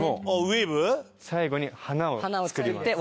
最後に花を作ります。